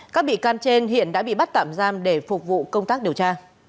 các bị can trên hiện đã bị bắt tạm giam để phục vụ công tác điều tra